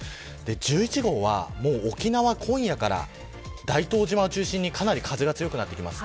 １１号は沖縄、今夜から大東島を中心にかなり風が強くなります。